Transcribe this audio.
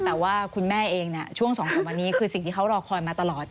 แต่ว่าคุณแม่เองช่วง๒๓วันนี้คือสิ่งที่เขารอคอยมาตลอด